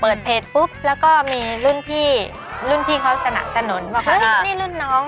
เปิดเพจปุ๊บแล้วสากนี้รุ่นน้อง